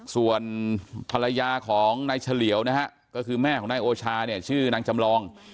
ส่วนภรรยาของนายเฉลียวนะฮะก็คือแม่ของนายโอชาเนี่ยชื่อนางจำลอง